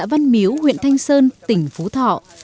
xã văn miếu huyện thanh sơn tỉnh phú thọ